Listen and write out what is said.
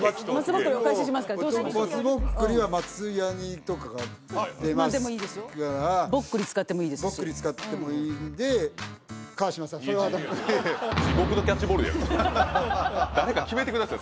松ぼっくりは松ヤニとかが出ますからぼっくり使ってもいいですしぼっくり使ってもいいんで川島さんそれは誰か決めてください